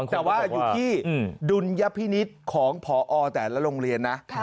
ดูที่ดุลยภินิษฐ์ของพอแต่ละโรงเรียนนะ